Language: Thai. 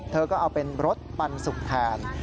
เธอก็เอาเป็นรสปันสุกแทน